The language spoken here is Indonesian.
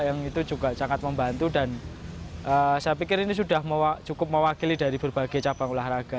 yang itu juga sangat membantu dan saya pikir ini sudah cukup mewakili dari berbagai cabang olahraga